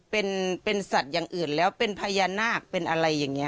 เป็นสัตว์อย่างอื่นแล้วเป็นพญานาคเป็นอะไรอย่างนี้